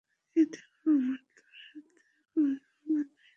এই দেখ, আমার তোর সাথে কোন ঝামেলা নাই।